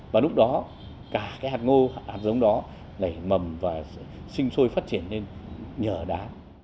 và lúc đó cả cái hạt ngô hạt giống đó nảy mầm và sinh sôi phát triển lên nhờ đá